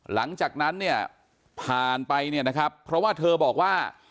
หลังจากนั้นเนี่ยผ่านไปเนี่ยนะครับเพราะว่าเธอบอกว่า